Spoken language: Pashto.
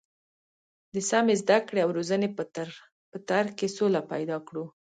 د سمې زده کړې او روزنې په تر کې سوله پیدا کړو.